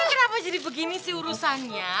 kenapa jadi begini sih urusannya